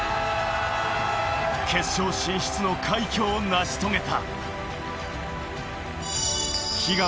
決勝進出の快挙を成し遂げた。